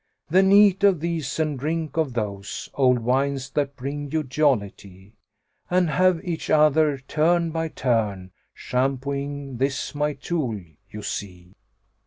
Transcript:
Then eat of these and drink of those * Old wines that bring you jollity: And have each other, turn by turn, * Shampooing this my tool you see."